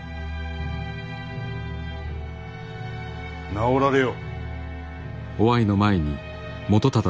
直られよ。